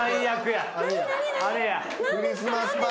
あれや。